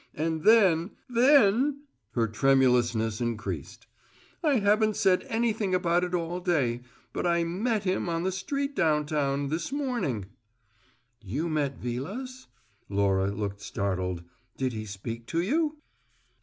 And then then " Her tremulousness increased. "I haven't said anything about it all day, but I met him on the street downtown, this morning " "You met Vilas?" Laura looked startled. "Did he speak to you?"